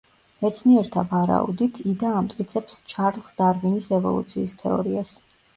მეცნიერთა ვარაუდით, იდა ამტკიცებს ჩარლზ დარვინის ევოლუციის თეორიას.